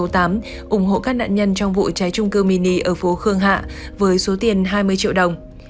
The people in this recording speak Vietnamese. trong vụ cháy trung cư mini ở phố khương hạ với số tiền hai mươi triệu đồng